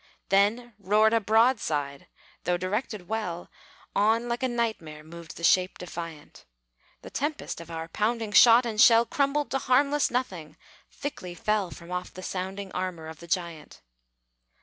Then roared a broadside; though directed well, On, like a nightmare, moved the shape defiant; The tempest of our pounding shot and shell Crumbled to harmless nothing, thickly fell From off the sounding armor of the giant!